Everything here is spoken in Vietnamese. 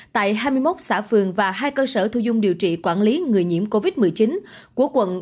tại hai mươi một xã phường và hai cơ sở thu dung điều trị quản lý người nhiễm covid một mươi chín của quận